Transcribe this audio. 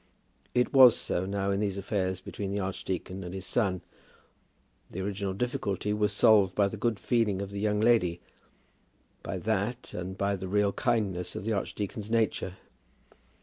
It was so now in these affairs between the archdeacon and his son. The original difficulty was solved by the good feeling of the young lady, by that and by the real kindness of the archdeacon's nature.